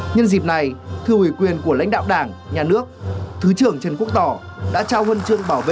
nhân dịp này thưa ủy quyền của lãnh đạo đảng nhà nước thứ trưởng trần quốc tỏ đã trao huân chương bảo vệ